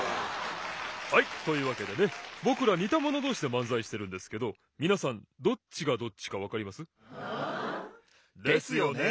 はいというわけでねぼくらにたものどうしでまんざいしてるんですけどみなさんどっちがどっちかわかります？ですよね？